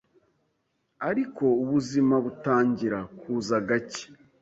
ariko ubuzima butangira kuza gacye